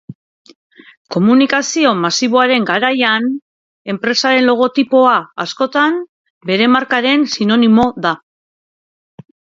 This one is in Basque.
Komunikazio masiboaren garaian, enpresaren logotipoa, askotan, bere markaren sinonimo da.